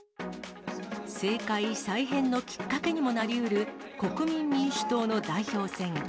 政界再編のきっかけにもなりうる国民民主党の代表選。